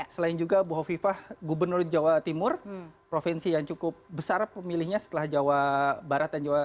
selain juga bu hovifah gubernur jawa timur provinsi yang cukup besar pemilihnya setelah jawa barat dan jawa timur